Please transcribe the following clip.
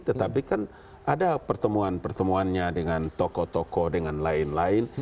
tetapi kan ada pertemuan pertemuannya dengan tokoh tokoh dengan lain lain